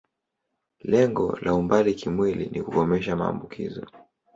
Lengo la umbali kimwili ni kukomesha maambukizo.